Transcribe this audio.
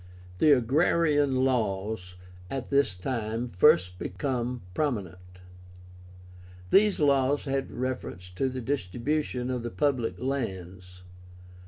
The AGRARIAN LAWS at this time first become prominent. These laws had reference to the distribution of the PUBLIC LANDS.